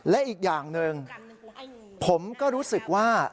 และอีกอย่างหนึ่งผมก็รู้สึกว่า